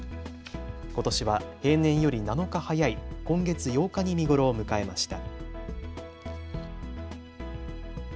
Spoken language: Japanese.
ことしは平年より７日早い今月８日に見頃を迎えました。